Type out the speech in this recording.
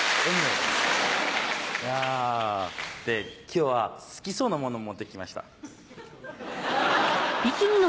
今日は好きそうなもの持って来ました。